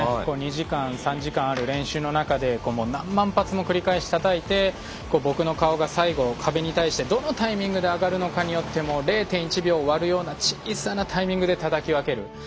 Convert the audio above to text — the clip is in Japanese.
２時間、３時間ある練習の中で何万発も繰り返し、たたいて僕の顔が壁に対してどのようなタイミングで当たるのか０．１秒もわるような小さなタイミングでたたき分ける。